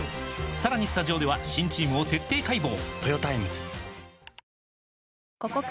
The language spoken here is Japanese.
さらにスタジオでは新チームを徹底解剖！